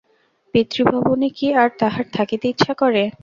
পিতৃভবনে কি আর তাহার থাকিতে ইচ্ছা করে?